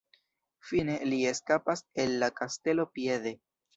Fine, li eskapas el la kastelo piede.